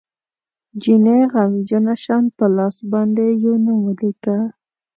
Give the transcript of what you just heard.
جینۍ غمجنه شان په لاس باندې یو نوم ولیکه